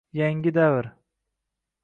Yangi davr